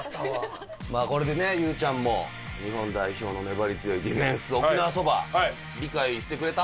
まあこれでね佑ちゃんも日本代表の粘り強いディフェンス沖縄そば理解してくれた？